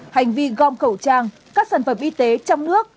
hành vi gom khẩu trang các sản phẩm y tế trong nước